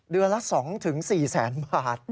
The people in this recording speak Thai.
เดือนละ๒๔แสนบาท